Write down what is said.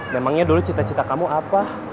memangnya dulu cita cita kamu apa